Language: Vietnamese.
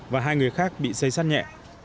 và hai người khác bị xây xắt nhẹ